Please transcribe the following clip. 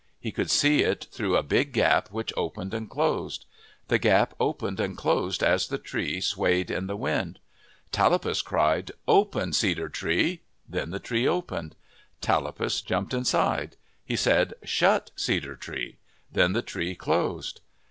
He could see it through a big gap which opened and closed. The gap opened and closed as the tree swayed in the wind. Tallapus cried, " Open, Cedar Tree !' Then' the tree opened. Tallapus jumped inside. He said, "Shut, Cedar Tree!" Then the tree closed.